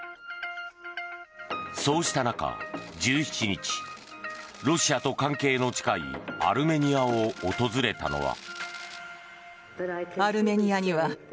そうした中、１７日ロシアと関係の近いアルメニアを訪れたのは。